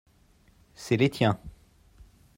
c'est les tiens.